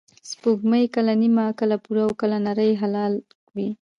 سپوږمۍ کله نیمه، کله پوره، او کله نری هلال وي